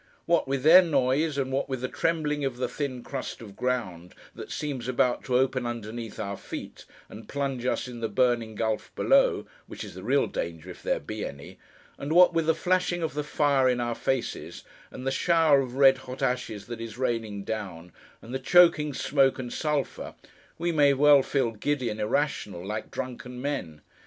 What with their noise, and what with the trembling of the thin crust of ground, that seems about to open underneath our feet and plunge us in the burning gulf below (which is the real danger, if there be any); and what with the flashing of the fire in our faces, and the shower of red hot ashes that is raining down, and the choking smoke and sulphur; we may well feel giddy and irrational, like drunken men.